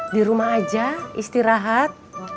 di rumah aja istirahat